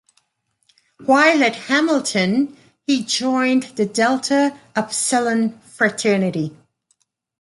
While at Hamilton he joined the Delta Upsilon Fraternity.